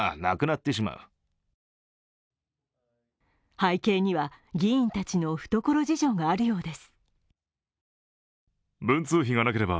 背景には、議員たちの懐事情があるようです。